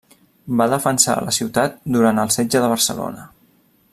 Va defensar la ciutat durant el Setge de Barcelona.